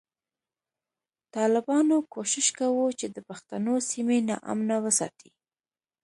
ټالبانو کوشش کوو چی د پښتنو سیمی نا امنه وساتی